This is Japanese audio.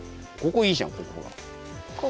ここいいじゃん。